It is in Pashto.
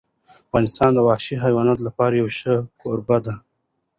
افغانستان د وحشي حیواناتو لپاره یو ښه کوربه دی.